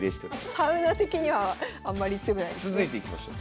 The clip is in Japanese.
サウナ的にはあんまり強くないですね。